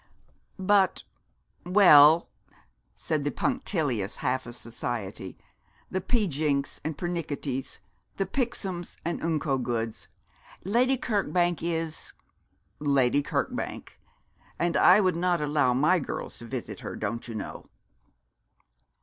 'But well,' said the punctilious half of society, the Pejinks and Pernickitys, the Picksomes and Unco Goods, 'Lady Kirkbank is Lady Kirkbank; and I would not allow my girls to visit her, don't you know.'